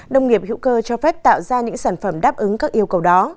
nông nghiệp hữu cơ cho phép tạo ra những sản phẩm đáp ứng các yêu cầu đó